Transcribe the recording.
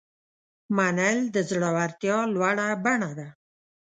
منل د زړورتیا لوړه بڼه ده.